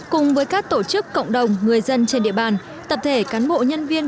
cùng với các tổ chức cộng đồng người dân trên địa bàn tập thể cán bộ nhân viên